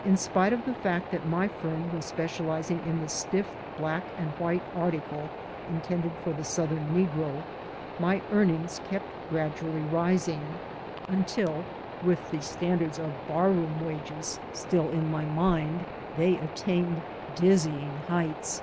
In spite of the fact that my firm was specializing in the stiflf black and white article intended for the Southern negro, my earnings kept gradually rising, until (with the standards of barroom wages still in 144 SHIRTS AND PHILOSOPHY my mind) they attained dizzying heights.